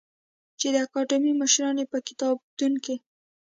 چې د اکاډمۍ مشران یې په کتابتون کې